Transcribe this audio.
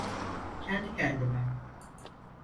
Kendi kendime.